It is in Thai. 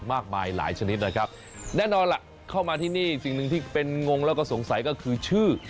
มากมายหลายชนิดนะครับแน่นอนล่ะเข้ามาที่นี่สิ่งหนึ่งที่เป็นงงแล้วก็สงสัยก็คือชื่อ